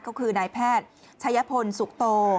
ก็คือนายแพทย์ชัยพลสุขโต